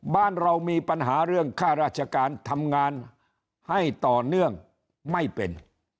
บ้านเรามีปัญหาเรื่องค่าราชการทำงานให้ต่อเนื่องไม่เป็น